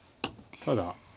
ただ。